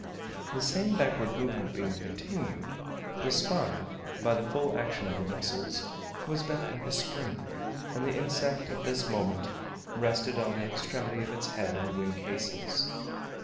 The same backward movement being continued, the spine, by the full action of the muscles, was bent like a spring; and the insect at this moment rested on the extremity of its head and wing cases.